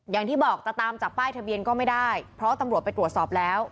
อย่างที่บอกจะตามจับป้ายทะเบียนก็ไม่ได้เพราะตำรวจไปตรวจสอบแล้ว